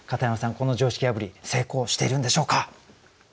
この常識破り成功してるんでしょうか？